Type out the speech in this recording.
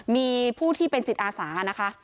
มีผู้ที่เป็นจิตอาสานะคะ